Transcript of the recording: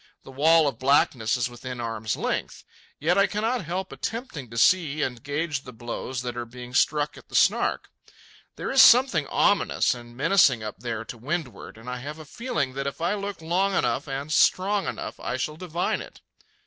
The wall of blackness is within arm's length. Yet I cannot help attempting to see and gauge the blows that are being struck at the Snark. There is something ominous and menacing up there to windward, and I have a feeling that if I look long enough and strong enough, I shall divine it.